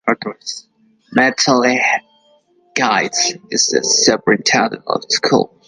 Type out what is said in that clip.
Mitchell Guice is the Superintendent of Schools.